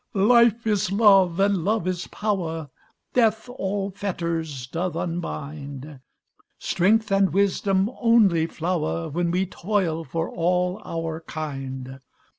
"Life is joy, and love is power, Death all fetters doth unbind, Strength and wisdom only flower When we toil for all our kind.